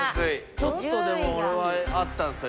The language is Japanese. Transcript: ちょっとでも俺はあったんですよ